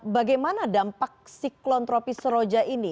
bagaimana dampak siklon tropis roja ini